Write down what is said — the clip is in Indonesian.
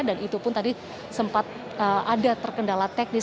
dan itu pun tadi sempat ada terkendala teknis